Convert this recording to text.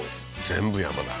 全部山だ。